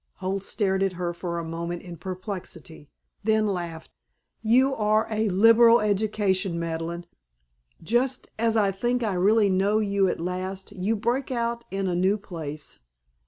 Holt stared at her for a moment in perplexity, then laughed. "You are a liberal education, Madeleine. Just as I think I really know you at last you break out in a new place.